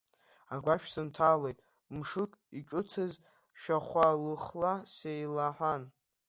Агәашә сынҭалеит мшык иҿыцыз, шәахәа лыхла сеилаҳәан.